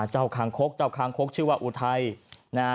เจ้าคางคกชื่อว่าอุไทย